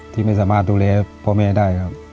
ที่ไม่สามารถดูแลพ่อแม่ได้ครับ